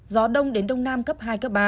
gió đông đến đông nam cấp hai ba